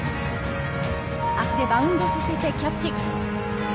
足でバウンドさせてキャッチ。